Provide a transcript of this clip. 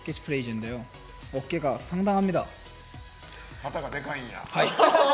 肩がでかいんや。